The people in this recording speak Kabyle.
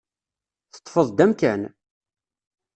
Teṭṭfeḍ-d amkan?